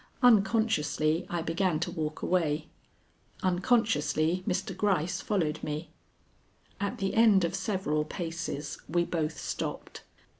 Unconsciously I began to walk away. Unconsciously Mr. Gryce followed me. At the end of several paces we both stopped.